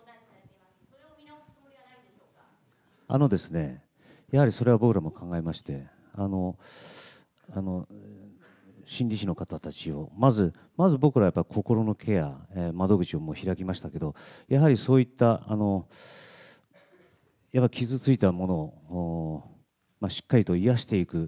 あのですね、やはりそれは僕らも考えまして、心理士の方たちを、まず、まず僕らはやっぱり心のケアの窓口を開きましたけど、やはりそういった、やっぱり傷ついたものを、しっかりと癒やしていく。